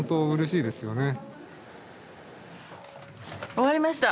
終わりました。